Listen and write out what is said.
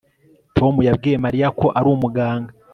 Tom yabwiye Mariya ko ari umuganga